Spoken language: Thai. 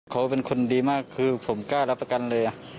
เขาเป็นคนดีมากคือผมกล้ารับประกันเลย